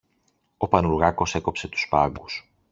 Ο Πανουργάκος έκοψε τους σπάγκους